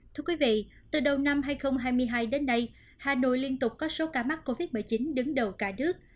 thưa quý vị từ đầu năm hai nghìn hai mươi hai đến nay hà nội liên tục có số ca mắc covid một mươi chín đứng đầu cả nước